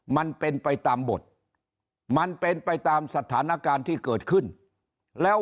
มันเป็นไปตามบทมันเป็นไปตามสถานการณ์ที่เกิดขึ้นแล้ว